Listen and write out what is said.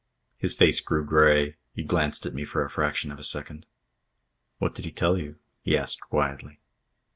His face grew grey. He glanced at me for a fraction of a second. "What did he tell you?" he asked quietly.